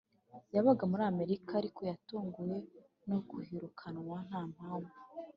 Yabaga muri Amerika ariko yatunguwe no kuhirukanwa nta mpamvu